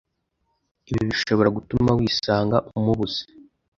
Ibi bishobora gutuma wisanga umubuze